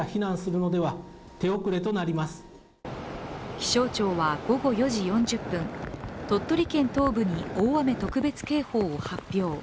気象庁は午後４時４０分鳥取県東部に大雨特別警報を発表。